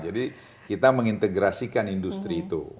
jadi kita mengintegrasikan industri itu